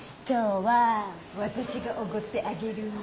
今日は私がおごってあげる。